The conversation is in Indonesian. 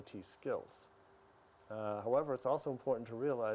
dan mereka mengakui bahwa mereka memiliki kemahiran it yang tinggi